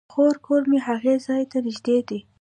د خور کور مې هغې ځای ته نژدې دی